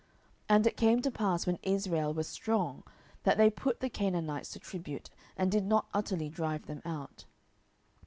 07:001:028 And it came to pass, when Israel was strong, that they put the Canaanites to tribute, and did not utterly drive them out.